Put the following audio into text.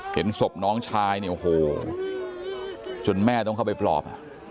เห็นศพน้องชายเนี่ยโอ้โหจนแม่ต้องเข้าไปปลอบ